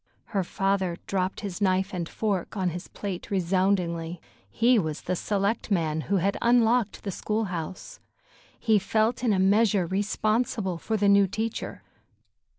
Her father dropped his knife and fork on his plate resoundingly. He was the selectman who had unlocked the school house. He felt in a measure responsible for the new teacher.